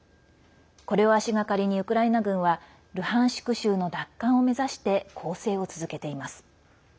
これを足がかりにウクライナ軍はルハンシク州の奪還を目指して攻勢を続けています。